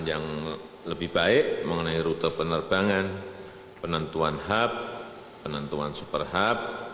yang lebih baik mengenai rute penerbangan penentuan hub penentuan super hub